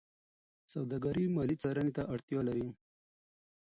سوداګري مالي څارنې ته اړتیا لري.